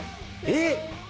えっ！